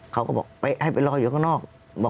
เขาก็บอกให้ไปรออยู่ข้างนอก